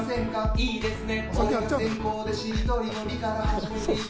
いいですね。